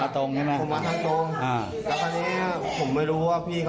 อันนี้ผมไม่รู้